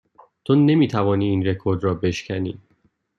تو نمی توانی این رکورد را بشکنی.